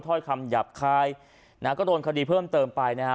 ถ้อยคำหยาบคายนะฮะก็โดนคดีเพิ่มเติมไปนะฮะ